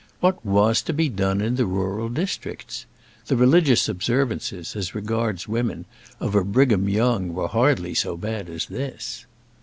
What was to be done in the rural districts? The religious observances, as regards women, of a Brigham Young were hardly so bad as this!